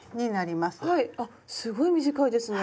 はいあっすごい短いですね。